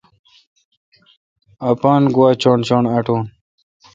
اپان گواچݨ چݨ اٹوُن۔